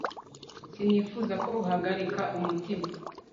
sinifuzaga ko uhagarika umutima